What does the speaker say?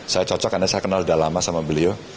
saya cocok karena saya kenal udah lama sama beliau